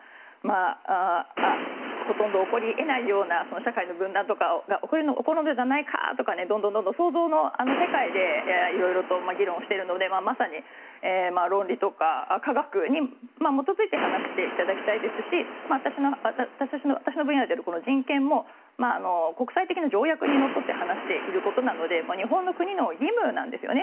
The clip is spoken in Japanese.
ほとんど起こり得ないような社会の分断とかが起こるのではないかとかどんどん、想像の世界でいろいろと議論しているのでまさに、論理とか科学に基づいて話していただきたいですし私の分野である人権も国際的な条約にのっとって話していることなので日本の国の義務なんですよね。